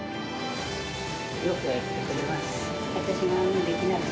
よくやってくれてます。